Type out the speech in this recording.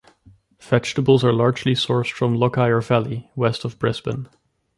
Vegetables are largely sourced from the Lockyer Valley west of Brisbane.